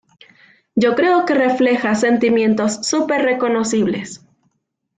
Yo creo que refleja sentimientos súper reconocibles".